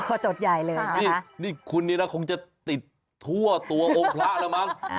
พอจดใหญ่เลยนี่นี่คุณนี่นะคงจะติดทั่วตัวองค์พระแล้วมั้ง